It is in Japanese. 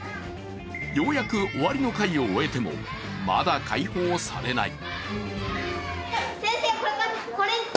ようやく終わりの会を終えてもまだ解放されない。